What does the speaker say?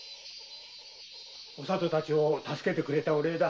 お里たちを助けてくれたお礼だ。